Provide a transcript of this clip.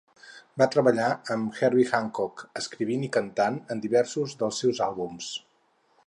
Va treballar amb Herbie Hancock escrivint i cantant en diversos dels seus àlbums.